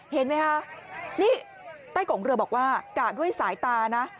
เห็นไหมคะนี่ใต้กงเรือบอกว่ากะด้วยสายตานะ